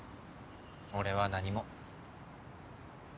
俺は何も。